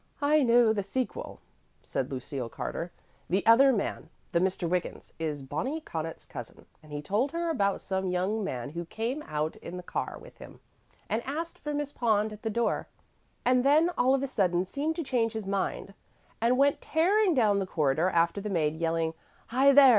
"I know the sequel," said Lucille Carter. "The other man, the Mr. Wiggins, is Bonnie Connaught's cousin; and he told her about some young man who came out in the car with him, and asked for Miss Pond at the door, and then all of a sudden seemed to change his mind, and went tearing down the corridor after the maid, yelling, 'Hi, there!